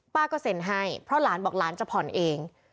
ก็เซ็นให้เพราะหลานบอกหลานจะผ่อนเอง